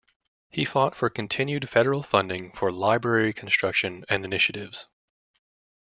He fought for continued federal funding for library construction and initiatives.